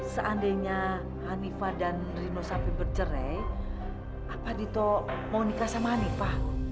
seandainya hanifah dan rino sapi bercerai apa dito mau nikah sama hanifah